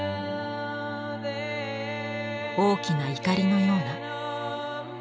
大きな怒りのような。